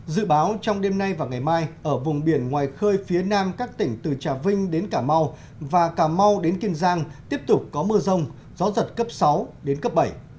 dự báo trong đêm nay và ngày mai ở vùng biển ngoài khơi phía nam các tỉnh từ trà vinh đến cà mau và cà mau đến kiên giang tiếp tục có mưa rông gió giật cấp sáu đến cấp bảy